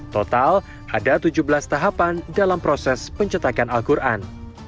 total ada tujuh belas tahapan dalam proses pencetakan al quran